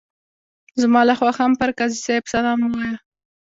زما لخوا هم پر قاضي صاحب سلام ووایه.